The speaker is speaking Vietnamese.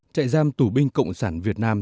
trại giam tù binh cộng sản việt nam